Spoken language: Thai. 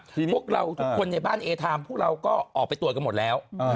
พวกเราทุกคนในบ้านเอทามพวกเราก็ออกไปตรวจกันหมดแล้ว